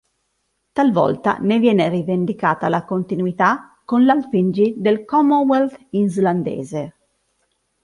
Talvolta ne viene rivendicata la continuità con l'Alþingi del Commonwealth Islandese.